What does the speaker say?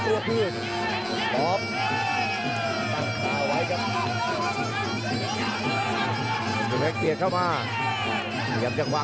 กระโดยสิ้งเล็กนี่ออกกันขาสันเหมือนกันครับ